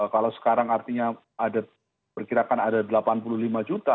kalau sekarang artinya ada perkirakan ada delapan puluh lima juta